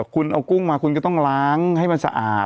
คุณเอากุ้งมาคุณก็ต้องล้างให้มันสะอาด